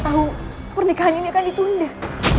masa baik baik yang akan saya buyer